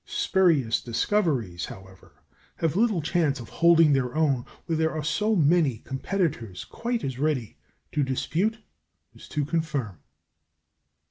Spurious discoveries, however, have little chance of holding their own where there are so many competitors quite as ready to dispute as to confirm.